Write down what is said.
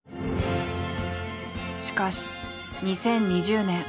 しかし２０２０年。